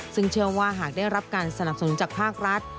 ซึ่งเชื่อว่าหากได้รับการสนับสนุนจากภาครัฐ